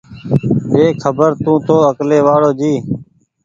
ڏي خبر تونٚ تو اڪلي وآڙو جي